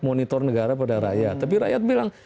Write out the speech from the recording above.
monitor negara pada rakyat tapi rakyat bilang